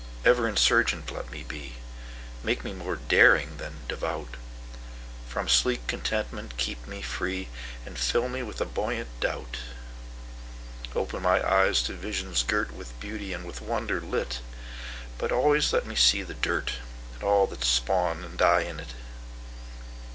Ever insurgent let me be, Make me more daring than devout; From sleek contentment keep me free, And fill me with a buoyant doubt. Open my eyes to visions girtWith beauty, and with wonder lit—But always let me see the dirt, And all that spawn and die in it.